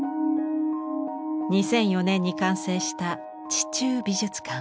２００４年に完成した「地中美術館」。